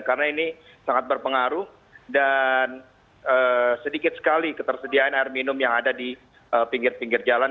karena ini sangat berpengaruh dan sedikit sekali ketersediaan air minum yang ada di pinggir pinggir jalan